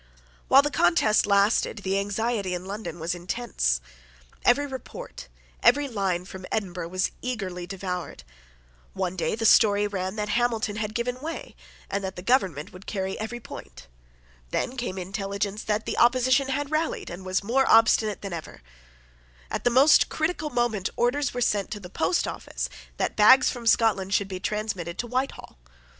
While the contest lasted the anxiety in London was intense. Every report, every line, from Edinburgh was eagerly devoured. One day the story ran that Hamilton had given way and that the government would carry every point. Then came intelligence that the opposition had rallied and was more obstinate than ever. At the most critical moment orders were sent to the post office that the bags from Scotland should be transmitted to Whitehall.